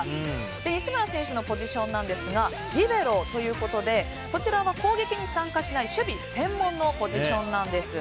西村選手のポジションなんですがリベロということでこちらは攻撃に参加しない守備専門のポジションなんです。